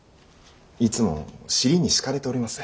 いつも尻に敷かれております。